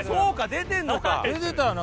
出てたよな